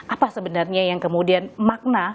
apa sebenarnya yang kemudian makna